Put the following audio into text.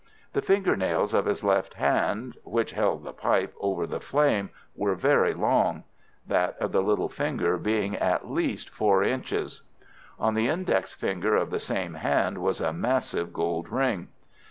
The finger nails of his left hand, which held the pipe over the flame, were very long; that of the little finger being at least 4 inches. On the index finger of the same hand was a massive gold ring.